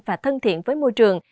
và thân thiện với môi trường